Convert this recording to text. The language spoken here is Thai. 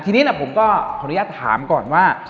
ทีนี้ผมก็ขออนุญาตถามก่อนว่า